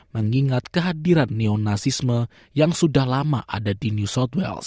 mengingat kehadiran neonasisme yang sudah lama ada di new south wales